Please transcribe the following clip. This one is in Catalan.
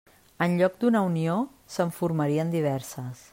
En lloc d'una Unió, se'n formarien diverses.